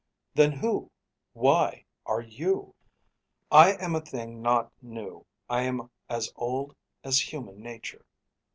Then who, why are you? I am a thing not new, I am as old As human nature.